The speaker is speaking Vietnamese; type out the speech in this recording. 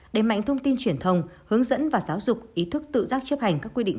đẩy mạnh thông tin truyền thông hướng dẫn và giáo dục ý thức tự giác chấp hành các quy định